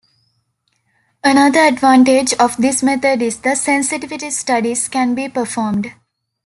Another advantage of this method is that sensitivity studies can be performed.